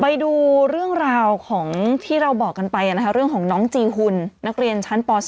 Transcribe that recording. ไปดูเรื่องราวของที่เราบอกกันไปนะคะเรื่องของน้องจีหุ่นนักเรียนชั้นป๒